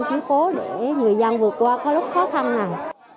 chú cố để người dân vượt qua có lúc khó khăn này